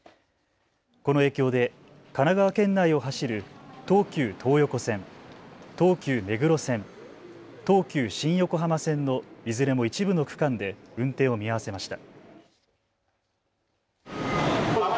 この影響で神奈川県内を走る東急東横線、東急目黒線、東急新横浜線のいずれも一部の区間で運転を見合わせました。